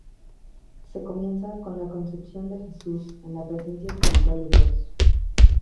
Se comienza con la concepción de Jesús en la presencia espiritual de Dios.